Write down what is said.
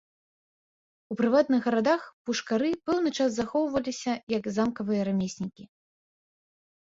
У прыватных гарадах пушкары пэўны час захоўваліся як замкавыя рамеснікі.